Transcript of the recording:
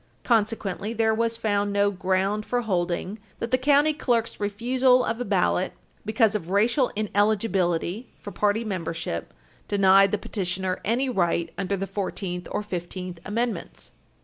Consequently, there was found no ground for holding that the county clerk's refusal of a ballot because of racial ineligibility for party membership denied the petitioner any right under the Fourteenth or Fifteenth Amendments.